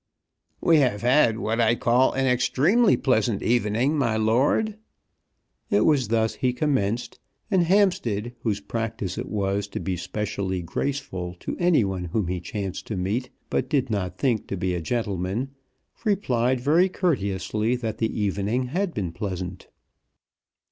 "We have had what I call an extremely pleasant evening, my lord." It was thus he commenced; and Hampstead, whose practice it was to be specially graceful to any one whom he chanced to meet but did not think to be a gentleman, replied very courteously that the evening had been pleasant.